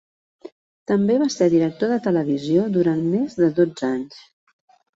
També va ser director de televisió durant més de dotze anys.